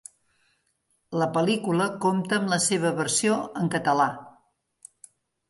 La pel·lícula compta amb la seva versió en català.